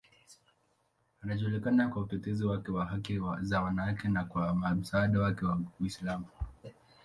Anajulikana kwa utetezi wake wa haki za wanawake na kwa msaada wake wa Uislamu.